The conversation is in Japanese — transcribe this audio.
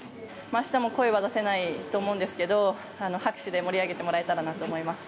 明日も声は出せないと思うんですけど拍手で盛り上げてもらえたらなと思います。